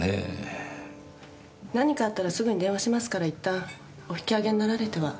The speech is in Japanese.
何かあったらすぐに電話しますからいったんお引き揚げになられては？